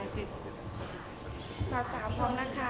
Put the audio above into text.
นี่ค่ะขอบคุณค่ะ